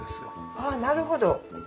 あなるほど。